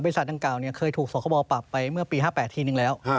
ดังกล่าวเคยถูกสคบปรับไปเมื่อปี๕๘ทีนึงแล้ว